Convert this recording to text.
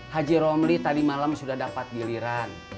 haji romli tadi malam sudah dapat giliran